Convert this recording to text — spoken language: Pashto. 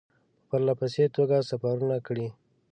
په پرله پسې توګه سفرونه کړي.